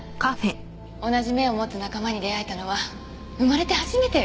同じ目を持つ仲間に出会えたのは生まれて初めてよ。